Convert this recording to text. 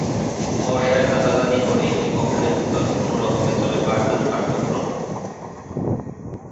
বর্ষায় গাদাগাদি করে একটি কক্ষের ভেতর কোনো রকমে চলে পাঠদান কার্যক্রম।